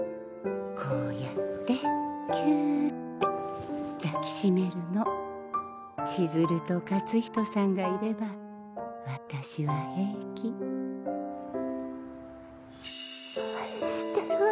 こうやってぎゅうって抱き締めるのちづると勝人さんがいれば私は平気愛してるわ